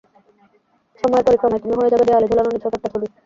সময়ের পরিক্রমায় তুমি হয়ে যাবে দেয়ালে ঝুলানো নিছক একটা ছবি।